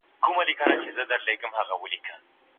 د نجونو د بېلارېتوب لاملونه څه کېدای سي؟